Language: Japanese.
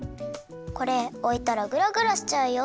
これおいたらグラグラしちゃうよ。